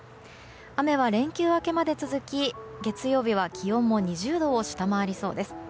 雨は連休明けまで続き月曜日は気温も２０度を下回りそうです。